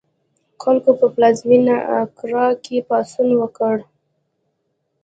خلکو په پلازمېنه اکرا کې پاڅون وکړ.